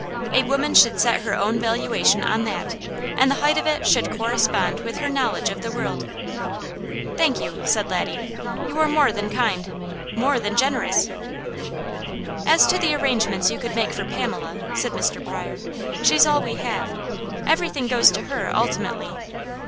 A woman should set her own valuation on that; and the height of it should correspond with her knowledge of the world." "Thank you!" said Laddie. "You are more than kind! more than generous!" "As to the arrangements you could make for Pamela," said Mr. Pryor, "she's all we have. Everything goes to her, ultimately.